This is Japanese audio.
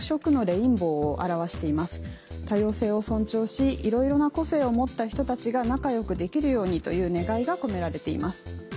多様性を尊重しいろいろな個性を持った人たちが仲良くできるようにという願いが込められています。